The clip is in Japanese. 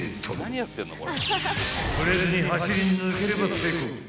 ［触れずに走り抜ければ成功］